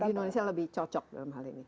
jadi indonesia lebih cocok dalam hal ini